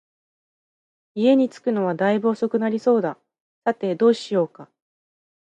家に着くのは大分遅くなりそうだ、さて、どうしようか